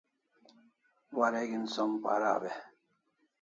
Wareg'in som paraw e?